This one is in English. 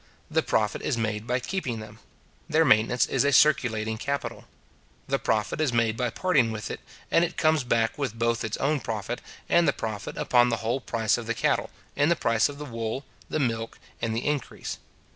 The profit is made by keeping them. Their maintenance is a circulating capital. The profit is made by parting with it; and it comes back with both its own profit and the profit upon the whole price of the cattle, in the price of the wool, the milk, and the increase.